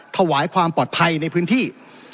ถวายความปลอดภัยในพื้นที่